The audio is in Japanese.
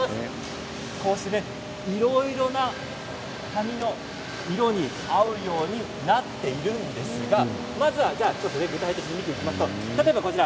こうしていろいろな髪の色に合うようになっているんですがまずは具体的に見ていきましょう。